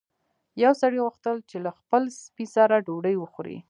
یو سړي غوښتل چې له خپل سپي سره ډوډۍ وخوري.